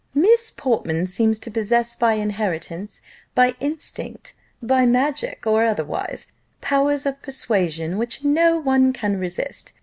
'" "Miss Portman seems to possess, by inheritance, by instinct, by magic, or otherwise, powers of persuasion, which no one can resist.